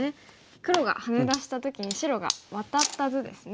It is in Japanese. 黒がハネ出した時に白がワタった図ですね。